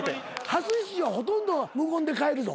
初出場ほとんど無言で帰るぞ。